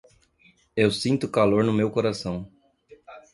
Eu sinto calor no meu coração.